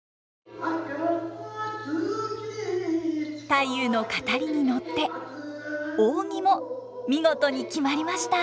太夫の語りに乗って扇も見事に決まりました。